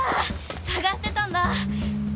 捜してたんだ。